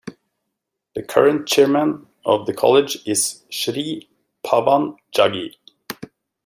The current chairman of the college is Shri Pawan Jaggi.